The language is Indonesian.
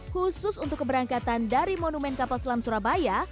khusus untuk keberangkatan dari monumen kapal selam surabaya